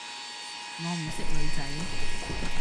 我唔識女仔